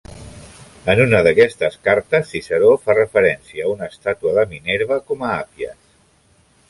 En una d'aquestes cartes, Ciceró fa referència a una estàtua de Minerva com a Appias.